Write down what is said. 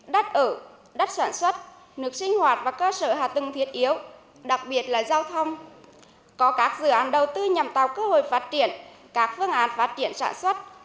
đặc biệt là giao thông có các dự án đầu tư nhằm tạo cơ hội phát triển các phương án phát triển sản xuất